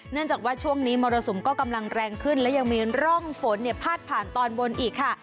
จากว่าช่วงนี้มรสุมก็กำลังแรงขึ้นและยังมีร่องฝนพาดผ่านตอนบนอีกค่ะ